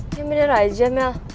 ya bener aja mel